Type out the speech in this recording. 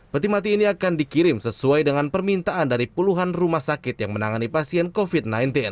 peti mati ini akan dikirim sesuai dengan permintaan dari puluhan rumah sakit yang menangani pasien covid sembilan belas